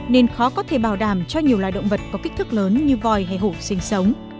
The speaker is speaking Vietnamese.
để bảo đảm cho nhiều loài động vật có kích thước lớn như vòi hay hổ sinh sống